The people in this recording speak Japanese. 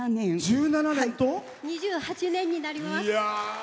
２８年になります。